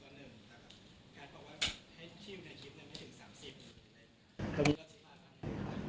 แสดงว่าเขาจะพอแน่นตมัดอย่างเงียบ